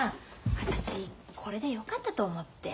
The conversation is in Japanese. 私これでよかったと思って。